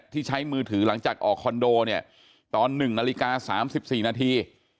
ที่ใช้มือถือหลังจากออกคอนโดเนี่ยตอน๑นาฬิกา๓๔นาที